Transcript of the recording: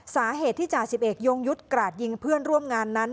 สาเหตุที่จ่าสิบเอกยงยุทธ์กราดยิงเพื่อนร่วมงานนั้น